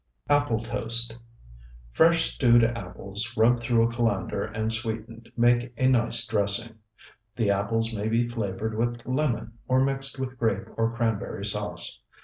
APPLE TOAST Fresh stewed apples, rubbed through a colander and sweetened, make a nice dressing. The apples may be flavored with lemon, or mixed with grape or cranberry sauce.